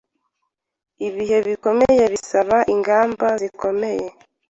Ibihe bikomeye bisaba ingamba zikomeye.